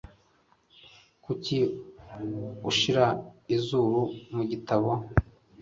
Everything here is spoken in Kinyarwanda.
kuki ushira izuru mu gitabo